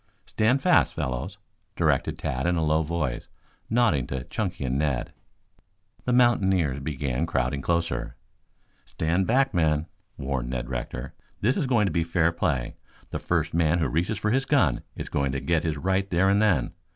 "Stand fast, fellows!" directed Tad in a low voice, nodding to Chunky and Ned. The mountaineers began crowding closer. "Stand back, men," warned Ned Rector. "This is going to be fair play. The first man who reaches for his gun is going to get his right there and then.